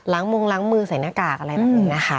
มงล้างมือใส่หน้ากากอะไรแบบนี้นะคะ